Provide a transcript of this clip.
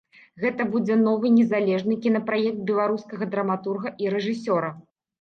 Гэта будзе новы незалежны кінапраект беларускага драматурга і рэжысёра.